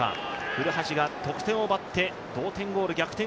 古橋が得点を奪って同点ゴール逆転